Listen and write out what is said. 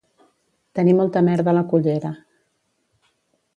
Tenir molta merda a la cullera